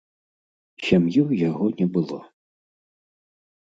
Сям'і ў яго не было.